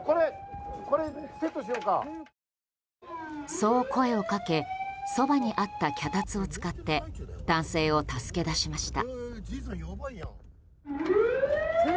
そう声をかけそばにあった脚立を使って男性を助け出しました。